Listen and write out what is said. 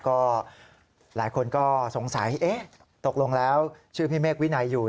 ก็หลายคนก็สงสัยเอ๊ะตกลงแล้วชื่อพี่เมฆวินัยอยู่